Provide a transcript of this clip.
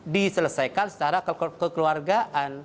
diselesaikan secara kekeluargaan